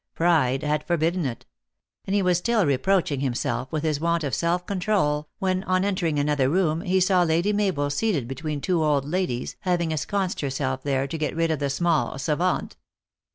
Pride had forbidden it. And he was still reproaching himself with his want of self con trol, when, on entering another room, he saw Lady Mabel seated between two old ladies, having ensconced * O herself there to get rid of the small savant.